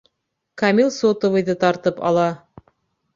Камил сотовыйҙы тартып ала.